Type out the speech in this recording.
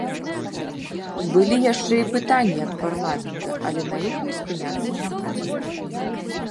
Былі яшчэ і пытанні ад парламента, але на іх мы спыняцца не будзем.